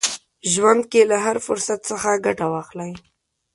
ژوند کې له هر فرصت څخه ګټه واخلئ.